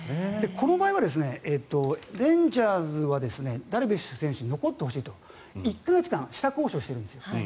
この場合はレンジャーズはダルビッシュ選手に残ってほしいと１か月間下交渉しているんです。